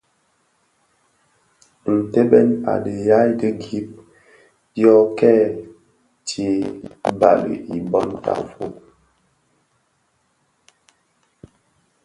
Ntèbèn a dhiyaï di gib dio kè tsee bali i bon tafog.